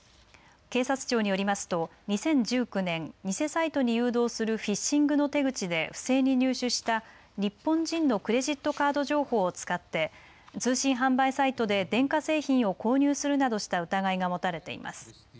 警察庁によりますと２０１９年、偽サイトに誘導するフィッシングの手口で不正に入手した日本人のクレジットカード情報を使って通信販売サイトで電化製品を購入するなどした疑いが持たれています。